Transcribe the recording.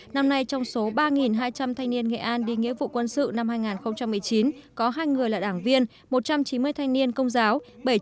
năm nay trong số ba hai trăm linh thanh niên nghệ an đi nghĩa vụ quân sự năm hai nghìn một mươi chín có hai người là đảng viên một trăm chín mươi thanh niên công giáo